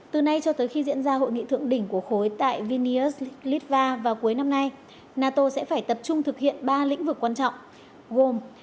từ nay cho tới khi diễn ra hội nghị thượng đỉnh của khối tại vinius litva vào cuối năm nay nato sẽ phải tập trung thực hiện ba lĩnh vực quan trọng gồm